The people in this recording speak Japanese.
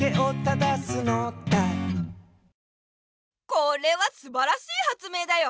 これはすばらしいはつ明だよ！